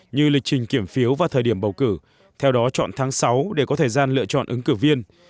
như lịch trình kiểm phiếu và thời điểm bầu cử theo đó chọn tháng sáu để có thời gian lựa chọn ứng cử viên